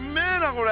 これ！